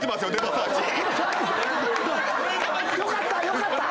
良かった？